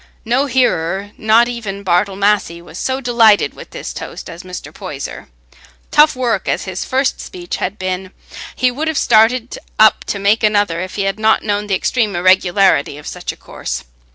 No hearer, not even Bartle Massey, was so delighted with this toast as Mr. Poyser. "Tough work" as his first speech had been, he would have started up to make another if he had not known the extreme irregularity of such a course.